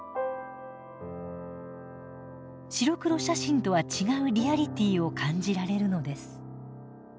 白黒写真とは違うリアリティーを感じられるのです。